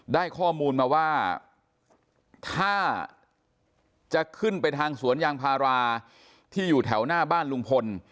ได้ข้อมูลมาว่าถ้าจะขึ้นไปทางสวนยางพาราที่อยู่แถวหน้าบ้านลุงพล